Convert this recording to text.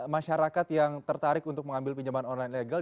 masyarakat yang tertarik untuk mengambil pinjaman online legal